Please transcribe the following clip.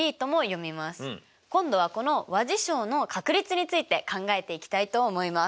今度はこの和事象の確率について考えていきたいと思います。